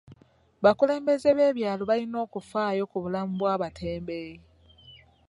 Bakulembeze b'ebyalo balina okufaayo ku bulamu bw'abatembeeyi.